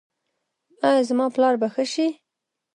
ایا زما پلار به ښه شي؟